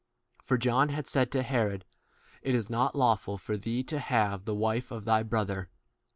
For John had said to Herod, It is not lawful for thee to have the wife of thy bro 19 ther.